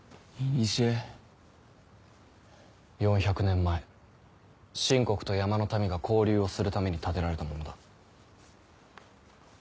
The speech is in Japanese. ４００年前秦国と山の民が交流をするために建てられたものだ。